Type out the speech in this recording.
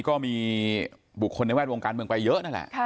ก็มีบุคคลในแวดวงการเมืองไปเยอะนั่นแหละ